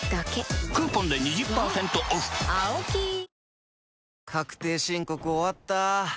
Ｎｏ．１確定申告終わった。